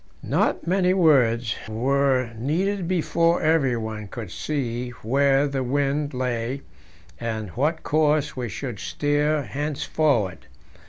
Not many words were needed before everyone could see where the wind lay, and what course we should steer henceforward.